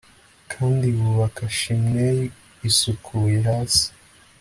Kandi wubake chimney isukuye hasi